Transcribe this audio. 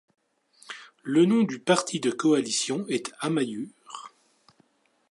Le nom du parti de coalition est Amaiur.